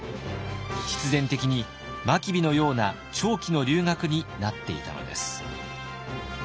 必然的に真備のような長期の留学になっていたのです。